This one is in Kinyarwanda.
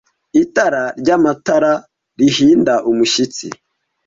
itara ryamatara rihinda umushyitsi